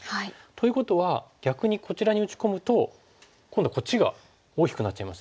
ということは逆にこちらに打ち込むと今度はこっちが大きくなっちゃいますよね。